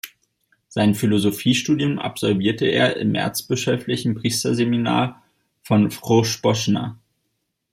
Sein Philosophiestudium absolvierte er im erzbischöflichen Priesterseminar von Vrhbosna.